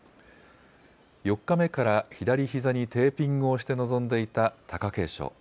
４日目から左ひざにテーピングをして臨んでいた貴景勝。